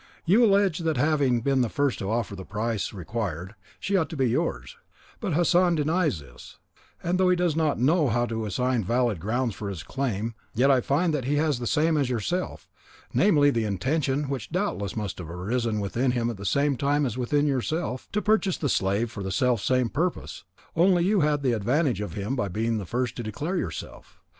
You allege that, having been the first to offer the price required, she ought to be yours; but Hassan denies this; and though he does not know how to assign valid grounds for his claim, yet I find that he has the same as yourself, namely, the intention, which doubtless must have arisen within him at the same time as within yourself, to purchase the slave for the self same purpose; only you had the advantage of him in being the first to declare yourself.